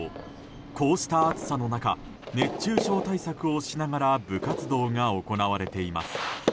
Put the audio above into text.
こうした暑さの中熱中症対策をしながら部活動が行われています。